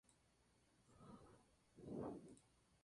Los dos textos más largos se subdividen en secciones.